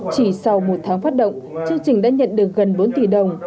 chỉ sau một tháng phát động chương trình đã nhận được gần bốn tỷ đồng